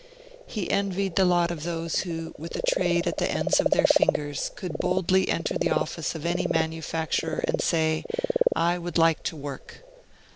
He envied the lot of those who, with a trade at the ends of their fingers, could boldly enter the office of any manufacturer, and say: "I would like to work."